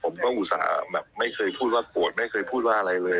ผมก็อุตส่าห์แบบไม่เคยพูดว่าโกรธไม่เคยพูดว่าอะไรเลย